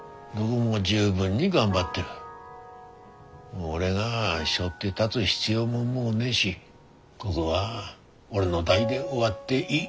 もう俺がしょって立づ必要ももうねえしこごは俺の代で終わっていい。